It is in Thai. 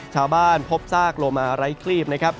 ชาวบ้านพบซากโรมาไร้คลีบ